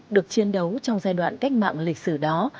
được chiến đấu trong giai đoạn cách mạng lịch sử đó